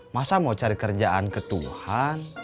masa mau cari kerjaan ketuhan